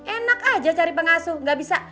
enak aja cari pengasuh gak bisa